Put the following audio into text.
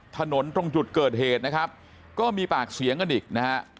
ถนนตรงจุดเกิดเหตุนะครับก็มีปากเสียงกันอีกนะฮะ